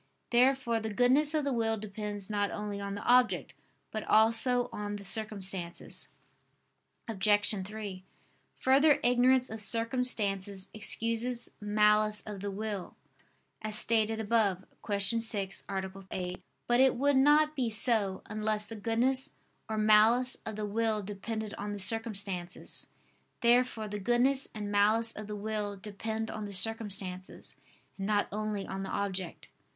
Therefore the goodness of the will depends not only on the object, but also on the circumstances. Obj. 3: Further, ignorance of circumstances excuses malice of the will, as stated above (Q. 6, A. 8). But it would not be so, unless the goodness or malice of the will depended on the circumstances. Therefore the goodness and malice of the will depend on the circumstances, and not only on the object.